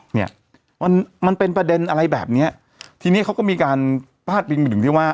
เนี่ยมันเป็นประเด็นอะไรแบบเนี้ยทีนี้เขาก็มีการพลาดเป็นอย่างหนึ่งที่ว่า